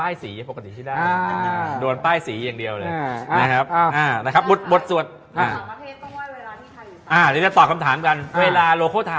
เล็กเล็กเล็กเล็กเล็กเล็กเล็กเล็กเล็กเล็กเล็กเล็ก